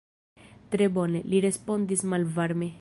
Tre bone, li respondis malvarme.